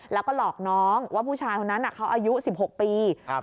แล้วก็หลอกน้องว่าผู้ชายคนนั้นเขาอายุ๑๖ปี